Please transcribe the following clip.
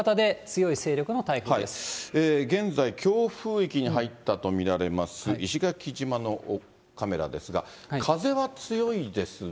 ただ、現在、強風域に入ったと見られます石垣島のカメラですが、風は強いですね。